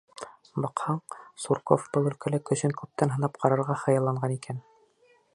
Баҡһаң, Сурков был өлкәлә көсөн күптән һынап ҡарарға хыялланған икән.